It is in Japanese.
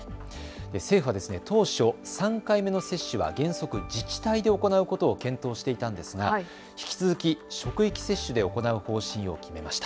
政府は当初３回目の接種は原則自治体で行うことを検討していたんですが引き続き職域接種で行う方針を決めました。